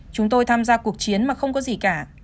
chúng tôi tham gia cuộc chiến mà không có gì cả